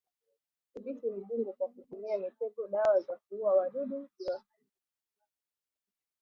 Dhibiti mbung'o kwa kutumia mitego dawa za kuua wadudu viuatilifu na kadhalika